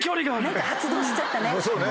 何か発動しちゃったね。